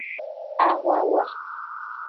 Ahwawa.